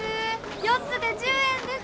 ４つで１０円です。